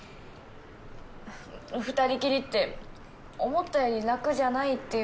２人きりって思ったより楽じゃないっていうか。